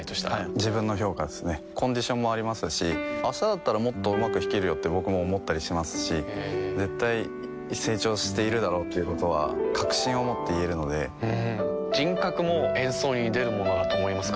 自分の評価ですねコンディションもありますし明日だったらもっとうまく弾けるよって僕も思ったりしますし絶対成長しているだろうということは確信を持って言えるので人格も演奏に出るものだと思いますか？